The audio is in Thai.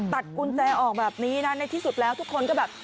ตัดกุญแจออกแบบนี้นะในที่สุดแล้วทุกคนก็แบบ